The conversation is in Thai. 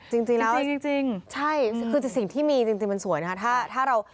จริงแล้วใช่คือสิ่งที่มีจริงมันสวยนะคะถ้าถ้าเรา